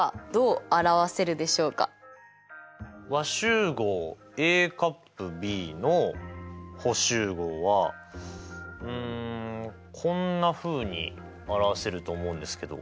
和集合Ａ∪Ｂの補集合はうんこんなふうに表せると思うんですけど。